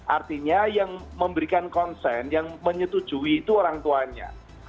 artinya yang memberikan konsen yang menyetujui itu orang tuanya